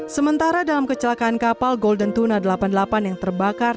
sementara dalam kecelakaan kapal golden tuna delapan puluh delapan yang terbakar